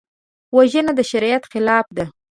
وژنه د شریعت خلاف ده